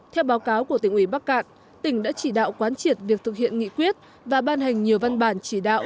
theo báo cáo của tỉnh ủy bắc cạn tỉnh đã chỉ đạo quán triệt việc thực hiện nghị quyết và ban hành nhiều văn bản chỉ đạo